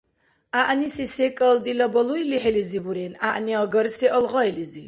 – ГӀягӀниси секӀал дила балуй лихӀилизи бурен. ГӀягӀниагарси – алгъайлизи.